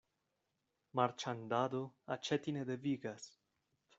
Marĉandado aĉeti ne devigas.